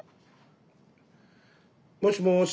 もしもし。